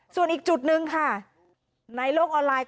ส่วนอีกจุดหนึ่งค่ะ